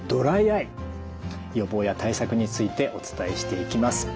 予防や対策についてお伝えしていきます。